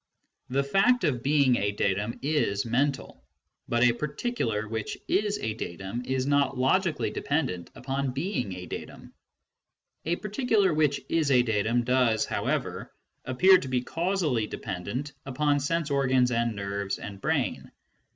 The fact of being a datum is mental, but a particular which is a datum is not logically dependent upon being a datum. A particular which is a datum does, however, appear to be casually dependent upon sense organs and nerves and brain.